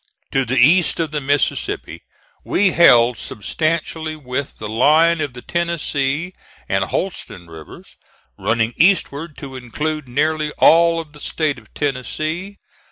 To the east of the Mississippi we held substantially with the line of the Tennessee and Holston rivers, running eastward to include nearly all of the State of Tennessee.